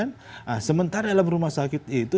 nah sementara dalam rumah sakit itu